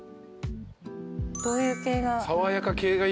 どういう系が？